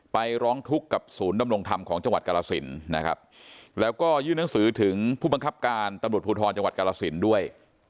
ไปร้องทุกข์กับศูนย์ดำรงธรรมของจังหวัดกรสินนะครับแล้วก็ยื่นหนังสือถึงผู้บังคับการตำรวจภูทรจังหวัดกรสินด้วย